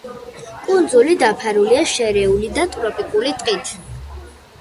კუნძული დაფარულია შერეული და ტროპიკული ტყით.